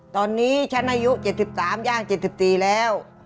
ตอนนี้ฉันอายุ๗๓ย่าง๗๔แล้ว